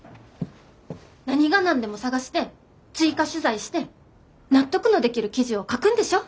何が何でも探して追加取材して納得のできる記事を書くんでしょ？